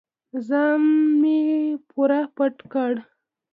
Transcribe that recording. ځان مې پوره پټ کړ.